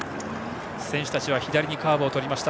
選手たちは左にカーブをしました。